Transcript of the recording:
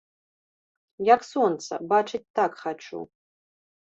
Як сонца, бачыць так хачу.